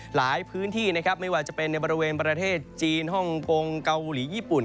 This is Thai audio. หลายพื้นที่นะครับไม่ว่าจะเป็นในบริเวณประเทศจีนฮ่องกงเกาหลีญี่ปุ่น